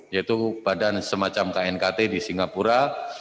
yaitu badan semacam knkt di singapura